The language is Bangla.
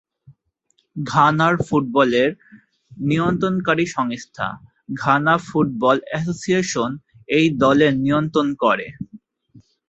ঘানার ফুটবলের নিয়ন্ত্রণকারী সংস্থা ঘানা ফুটবল অ্যাসোসিয়েশন এই দলের নিয়ন্ত্রণ করে।